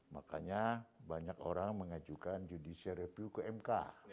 makanya banyak orang mengajukan judicial review ke mk